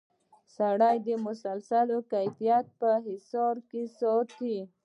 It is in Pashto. سړی د مسلسل کیفیت په حصار کې ساتي.